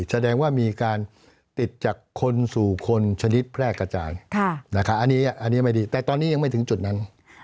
แสดงว่ามีการติดจากคนสู่คนชนิดแพร่กระจายอันนี้ไม่ดีแต่ตอนนี้ยังไม่ถึงจุดนั้น